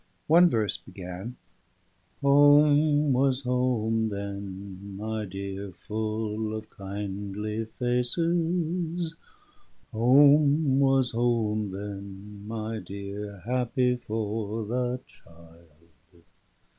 One verse began "Home was home then, my dear, full of kindly faces; Home was home then, my dear, happy for the child."